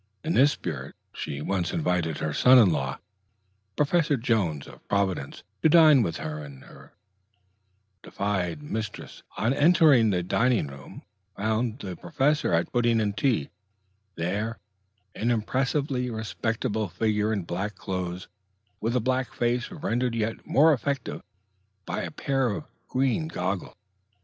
In this spirit she once invited her son in law, Professor Jones of Providence, to dine with her; and her defied mistress, on entering the dining room, found the Professor at pudding and tea there, an impressively respectable figure in black clothes, with a black face rendered yet more effective by a pair of green goggles.